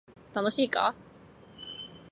楽しいか